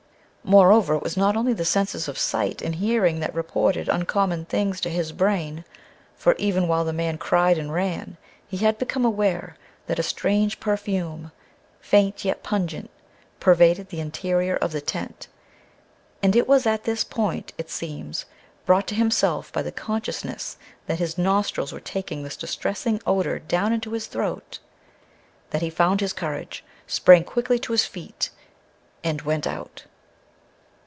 Moreover, it was not only the senses of sight and hearing that reported uncommon things to his brain, for even while the man cried and ran, he had become aware that a strange perfume, faint yet pungent, pervaded the interior of the tent. And it was at this point, it seems, brought to himself by the consciousness that his nostrils were taking this distressing odor down into his throat, that he found his courage, sprang quickly to his feet and went out.